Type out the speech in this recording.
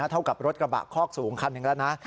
เท่ากับรถกระบะคอกสูงคันหนึ่งแล้วนะ